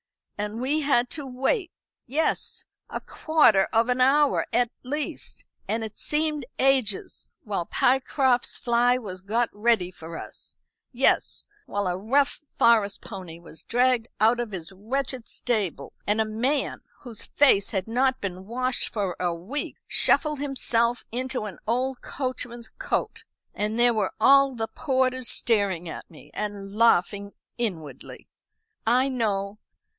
And we had to wait yes, a quarter of an hour, at least, and it seemed ages, while Pycroft's fly was got ready for us; yes, while a rough forest pony was dragged out of his wretched stable, and a man, whose face had not been washed for a week, shuffled himself into an old coachman's coat. And there were all the porters staring at me, and laughing inwardly, I know.